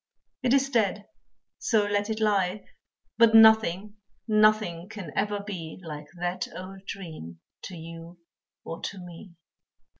It is dead, so let it lie, But nothing, nothing can ever be Like that old dream to you or to me.